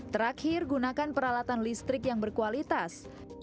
terakhir gunakan peralatan listrik yang berkualitas